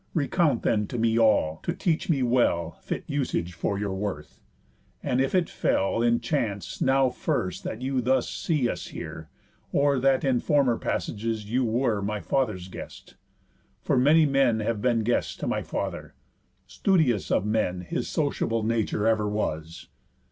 Recount then to me all, to teach me well Fit usage for your worth. And if it fell In chance now first that you thus see us here, Or that in former passages you were My father's guest? For many men have been Guests to my father. Studious of men His sociable nature ever was."